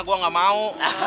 gue gak mau